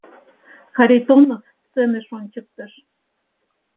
Харитонов сценыш ончыктыш.